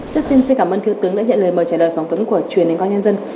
trước tiên xin cảm ơn thiếu tướng đã nhận lời mời trả lời phỏng vấn của truyền hình công an nhân dân